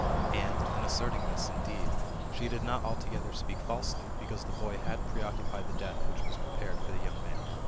And, in asserting this indeed, she did not altogether speak falsely, because the boy had preoccupied the death which was prepared for the young man.